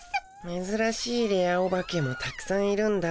めずらしいレアお化けもたくさんいるんだ。